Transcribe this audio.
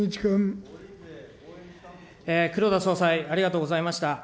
黒田総裁、ありがとうございました。